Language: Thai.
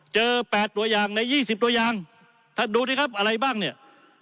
๘ตัวอย่างใน๒๐ตัวอย่างท่านดูดิครับอะไรบ้างเนี่ย